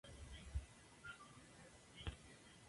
I Love You Damn Much".